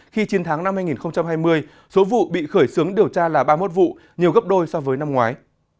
khi chiến thắng năm hai nghìn hai mươi số vụ bị khởi xướng điều tra là ba mươi một vụ nhiều gấp đôi so với năm ngoái